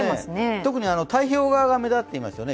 特に太平洋側が目立っていますよね。